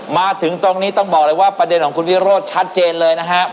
มาถึงตรงนี้ต้องบอกเลยว่าประเด็นของคุณวิโรธชัดเจนเลยนะครับ